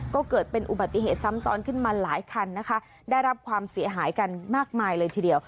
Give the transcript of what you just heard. ก็เกิดเป็นอุบัติเหตุซ้ำซ้อนขึ้นมาหลายคันนะคะได้รับความเสียหายกันมากมายเลยทีเดียว